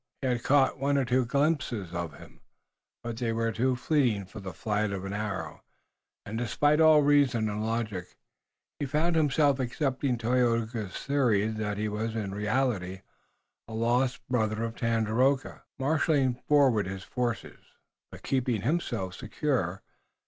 He had caught one or two glimpses of him, but they were too fleeting for the flight of an arrow, and, despite all reason and logic, he found himself accepting Tayoga's theory that he was, in reality, a lost brother of Tandakora, marshaling forward his forces, but keeping himself secure.